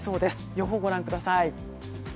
予報をご覧ください。